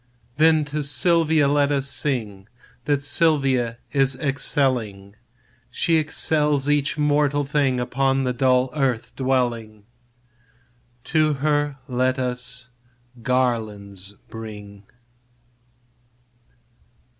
Then to Silvia let us sing, That Silvia is excelling; She excels each mortal thing Upon the dull earth dwelling: To her let us garlands bring.